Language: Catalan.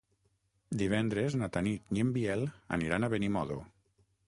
Divendres na Tanit i en Biel aniran a Benimodo.